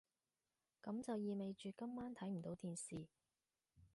噉就意味住今晚睇唔到電視